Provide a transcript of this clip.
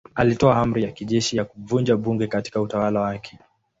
Alitoa amri ya kijeshi ya kuvunja bunge katika utawala wake.